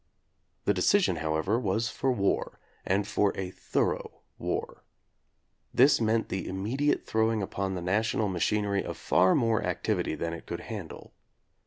The decision, however, was for war, and for a "thorough" war. This meant the immediate throwing upon the national machinery of far more activity than it could handle.